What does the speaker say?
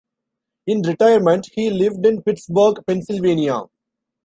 In retirement, he lived in Pittsburgh, Pennsylvania.